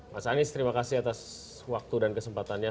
mas anies terima kasih atas waktu dan kesempatannya